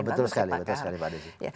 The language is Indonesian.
iya betul sekali pak desy